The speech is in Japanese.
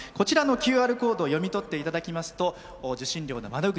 ＱＲコードを読み取っていただきますと受信料の窓口